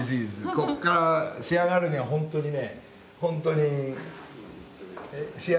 ここから仕上がるには本当にね